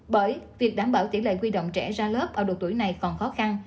bởi việc đảm bảo tỷ lệ quy động trẻ ra lớp ở độ tuổi này còn khó khăn